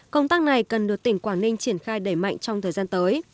công tác này cần được tỉnh quảng ninh triển khai đẩy mạnh trong thời gian tới